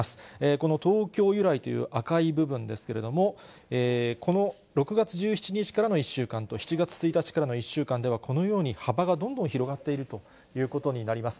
この東京由来という赤い部分ですけれども、この６月１７日からの１週間と、７月１日からの１週間では、このように幅がどんどん広がっているということになります。